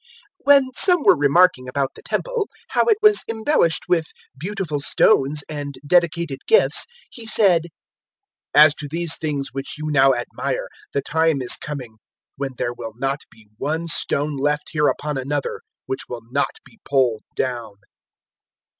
021:005 When some were remarking about the Temple, how it was embellished with beautiful stones and dedicated gifts, He said, 021:006 "As to these things which you now admire, the time is coming when there will not be one stone left here upon another which will not be pulled down."